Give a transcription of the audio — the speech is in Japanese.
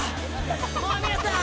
もう皆さん。